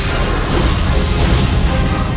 aku mau kesana